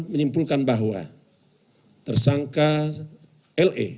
menyimpulkan bahwa tersangka le